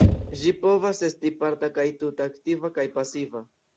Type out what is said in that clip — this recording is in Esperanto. Ĝi povas esti parta kaj tuta, aktiva kaj pasiva.